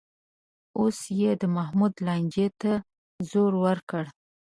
اوس یې د محمود لانجې ته زور ورکړ